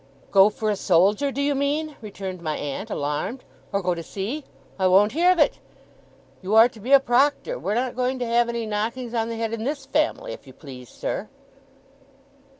'Go for a soldier, do you mean?' returned my aunt, alarmed; 'or go to sea? I won't hear of it. You are to be a proctor. We're not going to have any knockings on the head in THIS family, if you please, sir.